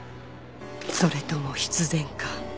それとも必然か」